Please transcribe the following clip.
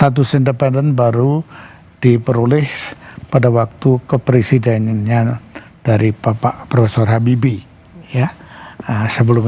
terima kasih independen baru diperoleh pada waktu kepresidenannya dari bapak prof habibie ya sebelum